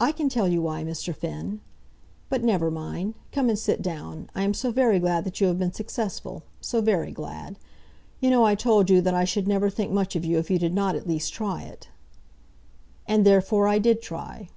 "I can tell you why, Mr. Finn. But never mind; come and sit down. I am so very glad that you have been successful; so very glad. You know I told you that I should never think much of you if you did not at least try it." "And therefore I did try."